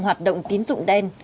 hoạt động tín dụng đen